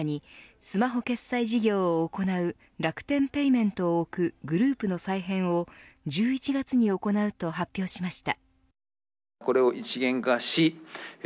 楽天カードの傘下にスマホ決済事業を行う楽天ペイメントを置くグループの再編を１１月に行うと発表しました。